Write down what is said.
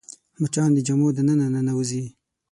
مچان د جامو دننه ننوځي